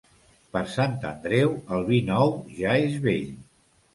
Per Sant Andreu, el vi nou ja és vell.